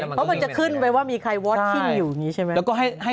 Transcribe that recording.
เพราะมันจะขึ้นไปว่ามีใครวอตขึ้นอยู่อย่างนี้ใช่ไหม